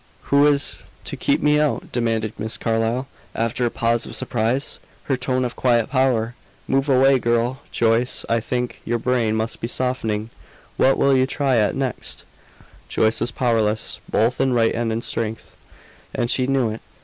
"Who is to keep me out?" demanded Miss Carlyle, after a pause of surprise, her tone of quiet power. "Move away, girl. Joyce, I think your brain must be softening. What will you try at next?" Joyce was powerless, both in right and strength, and she knew it.